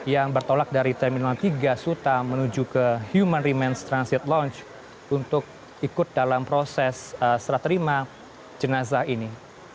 yang bertolak dari terminal tiga suta menuju ke human remains transit launch untuk ikut dalam proses serah terima jenazah ini